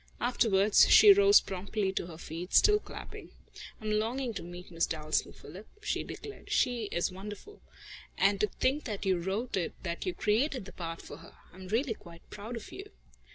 Afterwards, she rose promptly to her feet, still clapping. "I'm longing to meet Miss Dalstan, Philip," she declared. "She is wonderful. And to think that you wrote it that you created the part for her! I am really quite proud of you."